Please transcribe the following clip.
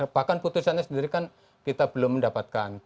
bahkan putusannya sendiri kan kita belum mendapatkan